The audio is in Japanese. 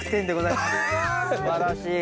すばらしい。